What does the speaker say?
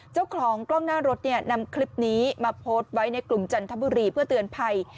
เจ้าของกล้องหน้ารถเนี่ยนำคลิปนี้มาโพสต์ไว้ในกลุ่มจันทบุรีเพื่อเตือนภัย